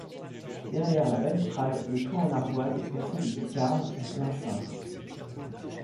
Derrière la balustrade le toit en ardoise est percée de lucarnes en plein-cintre.